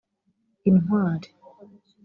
Intwari